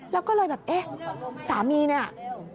แล้วก็เลยแบบเอ๊ะสามีเนี่ย